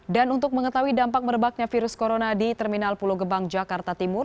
dan untuk mengetahui dampak merebaknya virus corona di terminal pulau gebang jakarta timur